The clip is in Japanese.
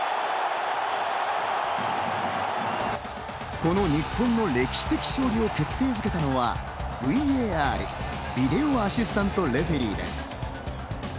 この日本の歴史的勝利を決定付けたのはＶＡＲ＝ビデオ・アシスタント・レフェリーです。